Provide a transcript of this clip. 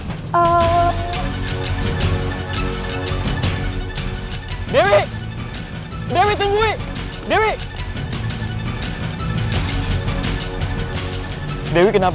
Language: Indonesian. kekuatan geris sangkala ini bisa ngebantu kita